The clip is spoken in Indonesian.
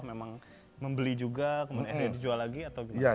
memang membeli juga kemudian dia dijual lagi atau gimana